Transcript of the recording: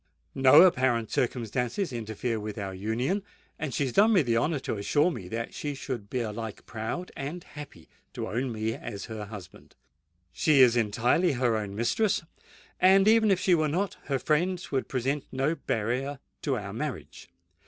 No apparent circumstances interfere with our union; and she has done me the honour to assure me that she should be alike proud and happy to own me as her husband. She is entirely her own mistress; and, even if she were not, her friends would present no barrier to our marriage.